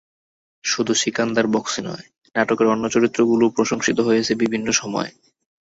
শুধু সিকান্দার বক্সই নয়, নাটকের অন্য চরিত্রগুলোও প্রশংসিত হয়েছে বিভিন্ন সময়।